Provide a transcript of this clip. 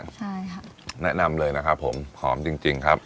ใช่ค่ะแนะนำเลยนะครับผมหอมจริงครับ